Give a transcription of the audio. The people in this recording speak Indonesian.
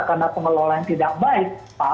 karena pengelolaan tidak baik